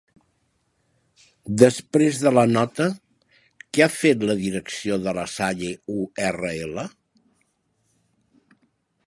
Després de la nota què ha fet la direcció de La Salle-URL?